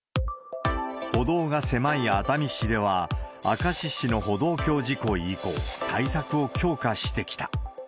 歩道が狭い熱海市では、明石市の歩道橋事故以降、対策を強化してきた。